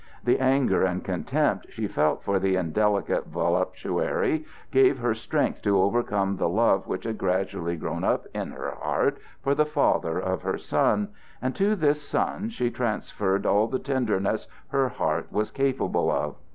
The anger and contempt she felt for the indelicate voluptuary gave her strength to overcome the love which had gradually grown up in her heart for the father of her son, and to this son she transferred all the tenderness her heart was capable of.